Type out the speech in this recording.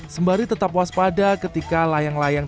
sembari tetap waspada ketika layang layang